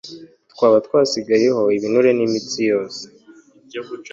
twaba twasigayeho, ibinure, n'imitsi yose.